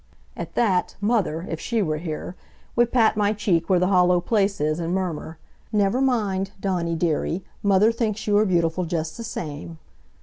At that, Mother, if she were here, would pat my check where the hollow place is, and murmur: "Never mind, Dawnie dearie, Mother thinks you are beautiful just the same."